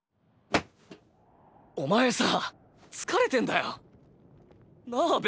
お前さぁ疲れてんだよ。なぁ？